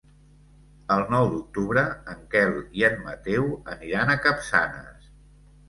El nou d'octubre en Quel i en Mateu aniran a Capçanes.